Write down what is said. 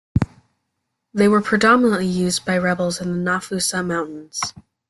They were predominantly used by rebels in the Nafusa Mountains.